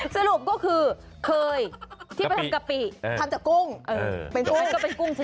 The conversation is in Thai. สรุปก็คือเคยที่ไปทำกะปิทำจากกุ้งเป็นกุ้ง